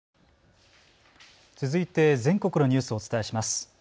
続いて全国のニュースをお伝えします。